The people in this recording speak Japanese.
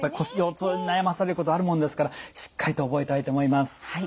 腰腰痛に悩まされることあるもんですからしっかりと覚えたいと思います。